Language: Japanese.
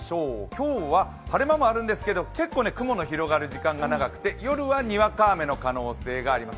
今日は晴れ間もあるんですが、結構雲の広がる時間が長くて夜はにわか雨の可能性があります。